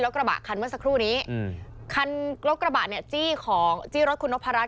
กระบะคันเมื่อสักครู่นี้อืมคันรถกระบะเนี่ยจี้ของจี้รถคุณนพรัช